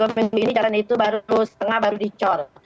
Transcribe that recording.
minggu ini jalan itu baru setengah baru dicor